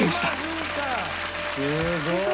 すごい。